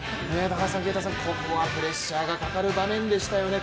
ここはプレッシャーがかかる場面でしたよね。